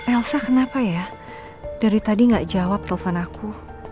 elsa kenapa ya dari tadi nggak jawab telepon aku